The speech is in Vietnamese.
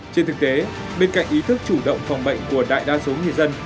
trên thực tế bên cạnh ý thức chủ động phòng bệnh của đại đa số người dân